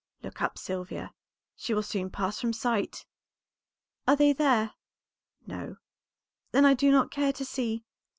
"Look up, Sylvia; she will soon pass from sight." "Are they there?" "No." "Then I do not care to see.